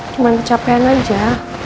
cuma kecapean aja